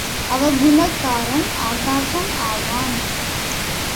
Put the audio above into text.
அவகுணக்காரன் ஆகாசம் ஆவான்.